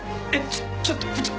ちょちょっと部長！